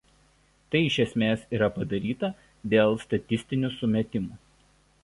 Tai iš esmės yra padaryta dėl statistinių sumetimų.